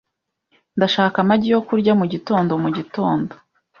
Ndashaka amagi yo kurya mugitondo mugitondo .